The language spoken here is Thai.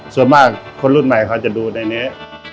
ส่วนมากคนรุ่นใหม่เขาจะดูในนี้